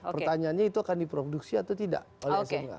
pertanyaannya itu akan diproduksi atau tidak oleh erlangga